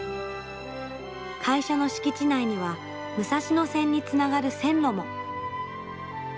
会社の敷地内には武蔵野線につながる線路も。